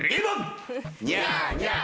ニャーニャー。